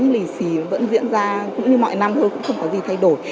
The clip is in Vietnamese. lì xì vẫn diễn ra cũng như mọi năm thôi cũng không có gì thay đổi